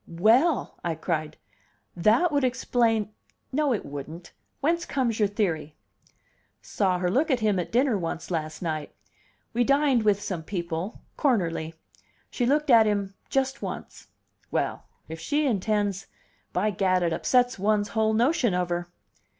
"Well!" I cried, "that would explain no, it wouldn't. Whence comes your theory?" "Saw her look at him at dinner once last night. We dined with some people Cornerly. She looked at him just once. Well, if she intends by gad, it upsets one's whole notion of her!"